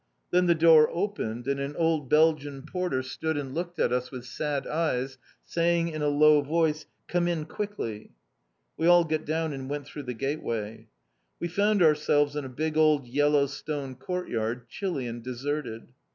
Then the door opened, and an old Belgian porter stood and looked at us with sad eyes, saying in a low voice, "Come in quickly!" We all got down and went through the gateway. We found ourselves in a big old yellow stone courtyard, chilly and deserted.